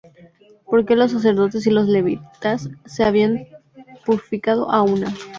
Porque los sacerdotes y los Levitas se habían purificado á una;